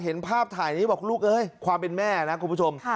เห็นภาพถ่ายนี้บอกลูกเอ้ยความเป็นแม่นะคุณผู้ชม